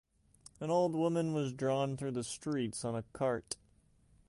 An old woman was drawn through the streets on a cart.